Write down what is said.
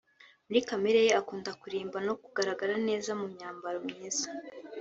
muri kamere ye akunda kurimba no kugaragara neza mu myambaro myiza